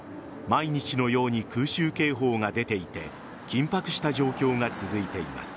毎日のように空襲警報が出ていて緊迫した状況が続いています。